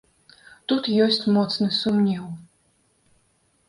Тут ёсць моцны сумнеў.